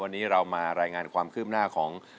วันนี้เรามารายงานความคืบหน้าของ